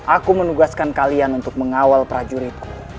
aku menugaskan kalian untuk mengawal prajuritku